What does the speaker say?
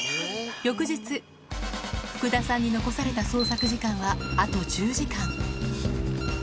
翌日、福田さんに残された捜索時間はあと１０時間。